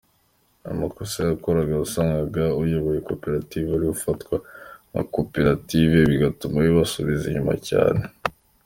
Amakosa bakoraga wasangaga uyoboye koperative ariwe ufatwa nka koperative bigatuma bibasubiza inyuma cyane.